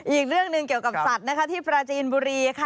อีกเรื่องหนึ่งเกี่ยวกับสัตว์นะคะที่ปราจีนบุรีค่ะ